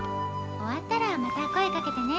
終わったらまた声かけてね。